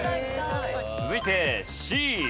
続いてＣ。